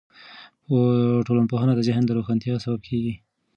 ټولنپوهنه د ذهن د روښانتیا سبب کیږي.